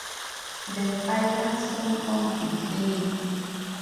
The final song on Reclaim!